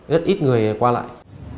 rất ít người qua lại